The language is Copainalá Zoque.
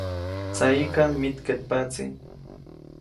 Tsayiʼkam mitkeʼtpaʼtsi.